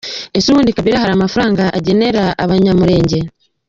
Ese ubundi Kabila hari amafaranga agenera Abanyamurenge?